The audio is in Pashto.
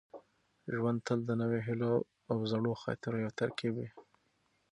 ژوند تل د نویو هیلو او زړو خاطرو یو ترکیب وي.